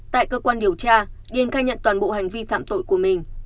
tại cơ quan điều tra điên khai nhận toàn bộ hành vi phạm tội của mình